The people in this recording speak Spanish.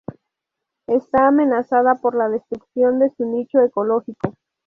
Está amenazada por la destrucción de su nicho ecológico.